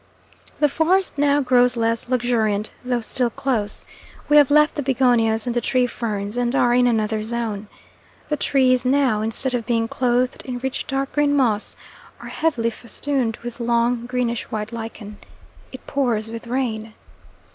The forest now grows less luxuriant though still close we have left the begonias and the tree ferns, and are in another zone. The trees now, instead of being clothed in rich, dark green moss, are heavily festooned with long, greenish white lichen. It pours with rain.